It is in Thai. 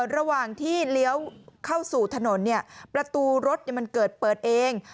ระหว่างที่เลี้ยวเข้าสู่ถนนเนี่ยประตูรถมันเกิดเปิดเอง